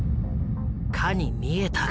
かに見えたが。